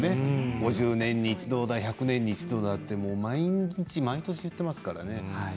５０年に一度１００年に一度と毎年言っていますからね。